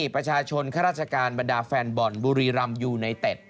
ประชาชนข้าราชการบรรดาแฟนบอลบุรีรำยูไนเต็ด